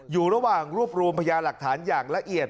อยู่ระหว่างรวบรวมพยาหลักฐานอย่างละเอียด